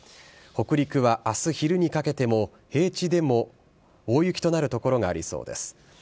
北陸はあす昼にかけても、平地でも大雪となる所がありそうです。